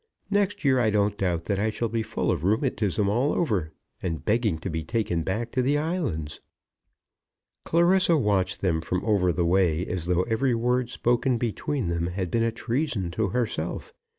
Next year I don't doubt that I shall be full of rheumatism all over, and begging to be taken back to the islands." Clarissa watched them from over the way as though every word spoken between them had been a treason to herself.